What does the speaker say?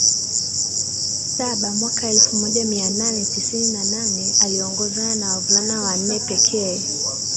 saba mwaka elfu moja mia nane tisini na nane aliongozana na wavulana wanne pekee